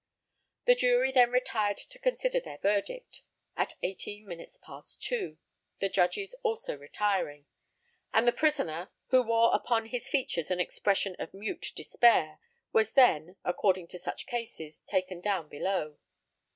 The jury then retired to consider their verdict at eighteen minutes past two, the judges also retiring; and the prisoner, who wore upon his features an expression of mute despair, was then, according to such cases, taken down below.